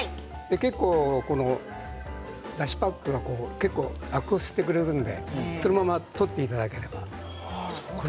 結構だしパックがアクを吸ってくれるのでそのまま取っていただければ。